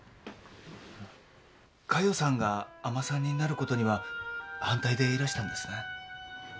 嘉代さんが海女さんになることには反対でいらしたんですね？